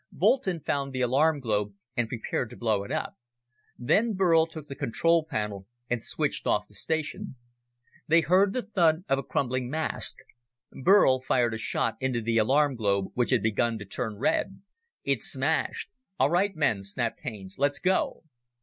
Boulton found the alarm globe and prepared to blow it up. Then Burl took the control panel and switched off the station. They heard the thud of a crumbling mast. Boulton fired a shot into the alarm globe which had begun to turn red. It smashed. "All right, men," snapped Haines, "let's go!"